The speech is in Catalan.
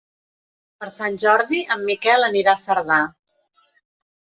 Per Sant Jordi en Miquel anirà a Cerdà.